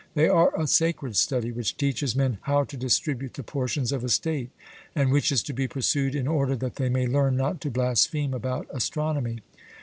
They are a sacred study which teaches men how to distribute the portions of a state, and which is to be pursued in order that they may learn not to blaspheme about astronomy.